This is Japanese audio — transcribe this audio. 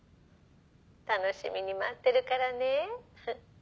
楽しみに待ってるからね。